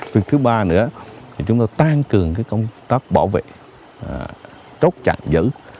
việc thứ ba nữa thì chúng tôi tăng cường cái công tác bảo vệ rốt chặt giữ